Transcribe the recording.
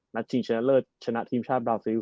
นัทจิงชนะเลิศชนะทีมชาติบราวทรัพย์